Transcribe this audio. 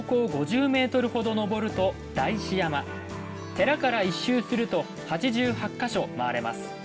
寺から１周すると８８か所回れます。